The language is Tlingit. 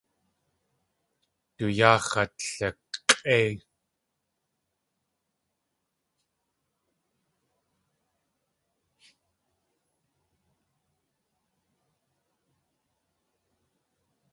Du yáa x̲at lik̲ʼéi.